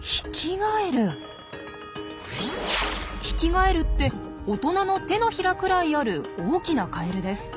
ヒキガエルって大人の手のひらくらいある大きなカエルです。